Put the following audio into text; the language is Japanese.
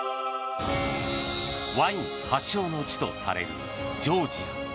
ワイン発祥の地とされるジョージア。